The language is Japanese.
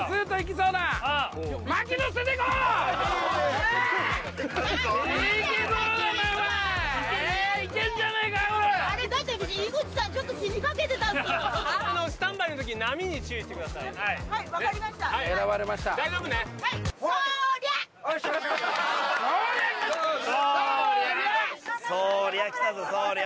・そぉりゃきたぞそぉりゃ